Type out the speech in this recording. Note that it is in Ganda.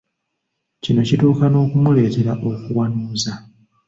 Kino kituuka n’okumuleetera okuwanuuza.